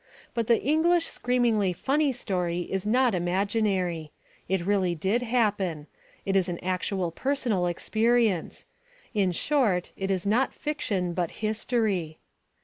But the English "screamingly funny" story is not imaginary. It really did happen. It is an actual personal experience. In short, it is not fiction but history.